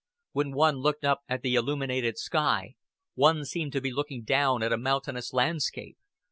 When one looked up at the illuminated sky, one seemed to be looking down at a mountainous landscape.